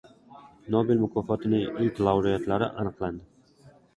Nobel mukofotining ilk laureatlari aniqlandi